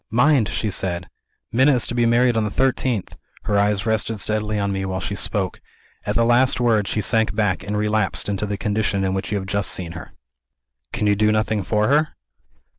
'Mind!' she said, 'Minna is to be married on the thirteenth!' Her eyes rested steadily on me, while she spoke. At the last word, she sank back, and relapsed into the condition in which you have just seen her." "Can you do nothing for her?"